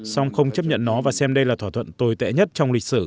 song không chấp nhận nó và xem đây là thỏa thuận tồi tệ nhất trong lịch sử